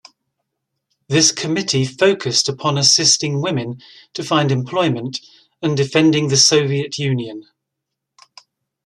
This committee focused upon assisting women to find employment and defending the Soviet Union.